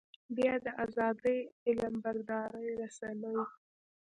بيا د ازادۍ علمبردارې رسنۍ.